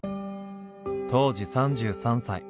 当時３３歳。